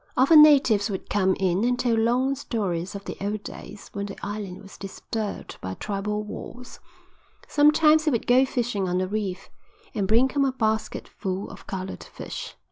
Often natives would come in and tell long stories of the old days when the island was disturbed by tribal wars. Sometimes he would go fishing on the reef, and bring home a basket full of coloured fish.